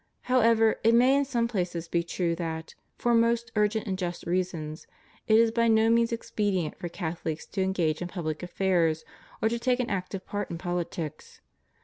However, it may in some places be true that, for most urgent and just reasons, it is by no means expedient for Catholics to engage in public affairs or to take an active part in politics.